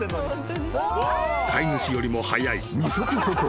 ［飼い主よりも速い二足歩行］